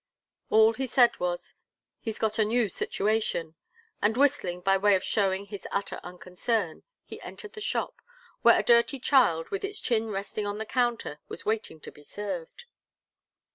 All he said was: "He's got a new situation," and whistling by way of showing his utter unconcern, he entered the shop, where a dirty child with its chin resting on the counter, was waiting to be served.